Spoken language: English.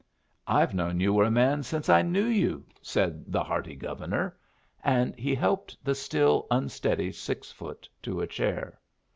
"I've known you were a man since I knew you!" said the hearty Governor. And he helped the still unsteady six foot to a chair.